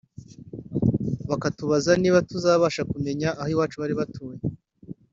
bakatubaza niba tuzabasha kumenya aho iwacu bari batuye